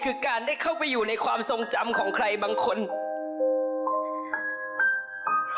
ของท่านได้เสด็จเข้ามาอยู่ในความทรงจำของคน๖๗๐ล้านคนค่ะทุกท่าน